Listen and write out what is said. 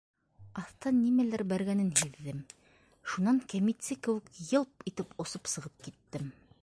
Аҫтан нимәлер бәргәнен һиҙҙем —шунан кәмитсе кеүек й-йылп итеп осоп сығып киттем!